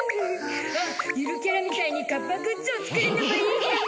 ゆるキャラみたいにカッパグッズを作るのもいいかも。